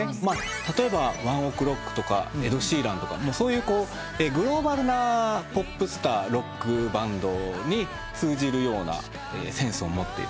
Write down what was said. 例えばＯＮＥＯＫＲＯＣＫとかエド・シーランとかそういうグローバルなポップスターロックバンドに通じるようなセンスを持っている。